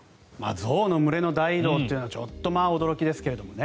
象の群れの大移動というのはちょっと驚きですけれどね。